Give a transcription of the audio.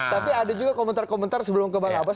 tapi ada juga komentar komentar sebelum ke bang abbas